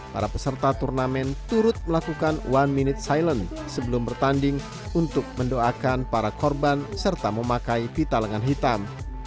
para peserta turnamen turut melakukan one minute silent sebelum bertanding untuk mendoakan para korban serta memakai pita lengan hitam